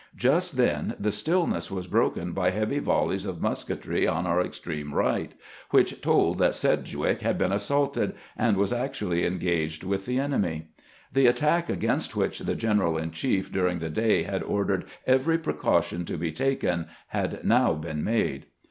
Just then the stillness was broken by heavy voUeys of musketry on our extreme right, which told that Sedg wick had been assaulted, and was actually engaged with the enemy. The attack against which the general in chief during the day had ordered every precaution to be taken had now been made.